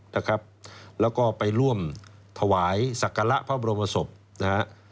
นะครับแล้วก็ไปร่วมถวายศักระพระบรมศพนะฮะ